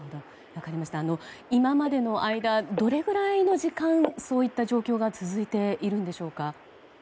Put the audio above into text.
今までの間どれくらいの時間そういった状況が続いているんでしょうか？